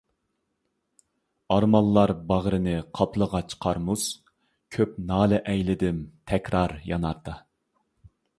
ئارمانلار باغرىنى قاپلىغاچ قار-مۇز، كۆپ نالە ئەيلىدىم تەكرار ياناردا.